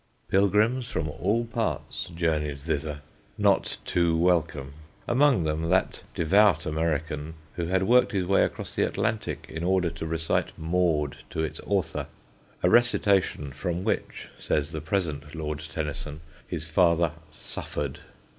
Pilgrims from all parts journeyed thither not too welcome; among them that devout American who had worked his way across the Atlantic in order to recite Maud to its author: a recitation from which, says the present Lord Tennyson, his father "suffered."